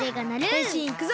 へんしんいくぞ！